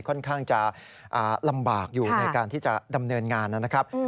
ค่อนข้างจะลำบากอยู่ในการที่จะดำเนินงานนะครับ